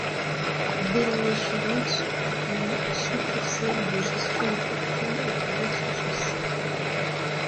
Dès l'année suivante, une succursale de gestion de fortune est ouverte en Suisse.